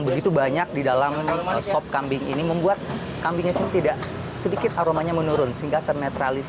begitu banyak di dalamlah sop kambing ini membuat kambing sedikit aromanya menurun sehingga ternetralis ya